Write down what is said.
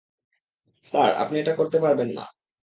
Sir, আপনি এটা করতে পারবেন না।